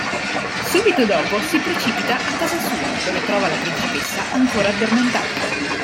Subito dopo si precipita a casa sua, dove trova la principessa ancora addormentata.